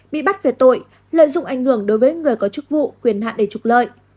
bị bắt về tội lợi dụng ảnh hưởng đối với người có chức vụ quyền hạn để trục lợi